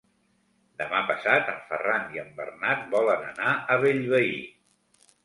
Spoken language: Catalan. Demà passat en Ferran i en Bernat volen anar a Bellvei.